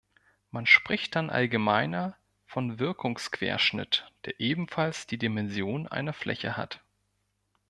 Man spricht dann allgemeiner vom Wirkungsquerschnitt, der ebenfalls die Dimension einer Fläche hat.